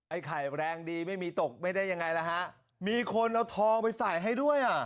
ไอไข่แรงดีไม่มีตกไม่ได้ยังไงล่ะฮะมีคนเอาทองไปใส่ให้ด้วยอ่ะ